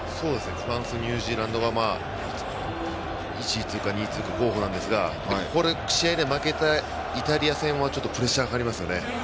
フランスニュージーランドが１位通過、２位通過の候補なんですがこれ、試合で負けたらイタリア戦はプレッシャーがかかりますよね。